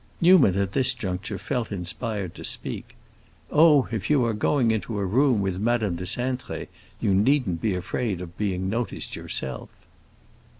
Newman at this juncture felt inspired to speak. "Oh, if you are going into a room with Madame de Cintré, you needn't be afraid of being noticed yourself!"